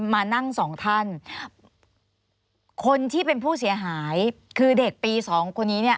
มานั่งสองท่านคนที่เป็นผู้เสียหายคือเด็กปีสองคนนี้เนี่ย